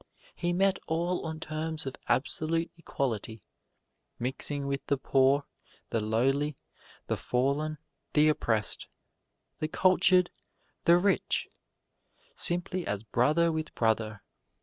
He met all on terms of absolute equality, mixing with the poor, the lowly, the fallen, the oppressed, the cultured, the rich simply as brother with brother.